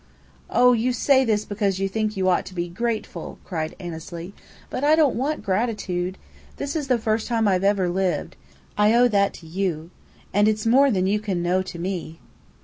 "Oh, you say this because you think you ought to be grateful!" cried Annesley. "But I don't want gratitude. This is the first time I've ever lived. I owe that to you. And it's more than you can owe to me."